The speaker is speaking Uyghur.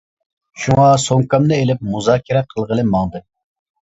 شۇڭا سومكامنى ئېلىپ مۇزاكىرە قىلغىلى ماڭدىم.